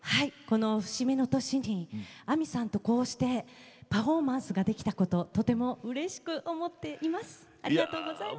節目の年に、亜美さんとこうしてパフォーマンスができたこととてもうれしく思っています。